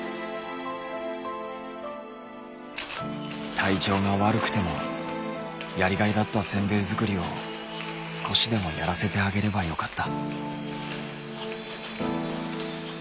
体調が悪くてもやりがいだったせんべい作りを少しでもやらせてあげればよかった。